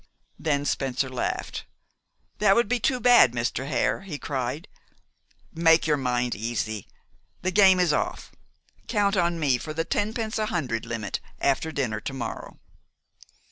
Then Spencer laughed. "That would be too bad, Mr. Hare," he cried. "Make your mind easy. The game is off. Count on me for the tenpence a hundred limit after dinner to morrow."